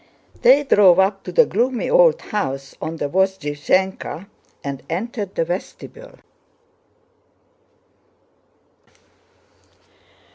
They drove up to the gloomy old house on the Vozdvízhenka and entered the vestibule.